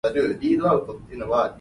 田無溝，水無流